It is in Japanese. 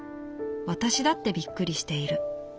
私だってびっくりしている。